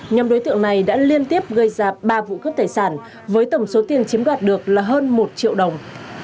nhóm đối tượng này đã liên tiếp gây ra ba vụ cướp tài sản với tổng số tiền chiếm đoạt được là hơn một triệu đồng